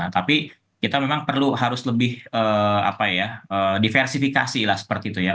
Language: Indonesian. tapi kita memang perlu harus lebih diversifikasi lah seperti itu ya